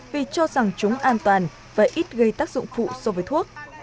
vì cho rằng chúng an toàn và ít gây tác dụng phụ so với thuốc